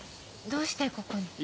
どうしてここに？